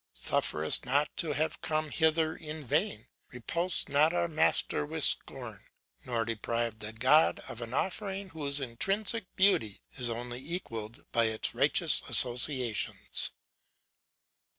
Suffer us not to have come hither in vain: repulse not our master with scorn: nor deprive the God of an offering whose intrinsic beauty is only equalled by its righteous associations.